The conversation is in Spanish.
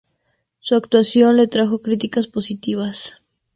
Su actuación le traje críticas positivas.